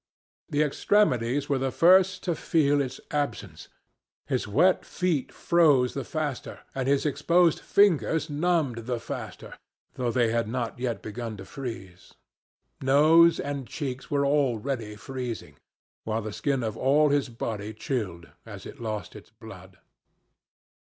The extremities were the first to feel its absence. His wet feet froze the faster, and his exposed fingers numbed the faster, though they had not yet begun to freeze. Nose and cheeks were already freezing, while the skin of all his body chilled as it lost its blood.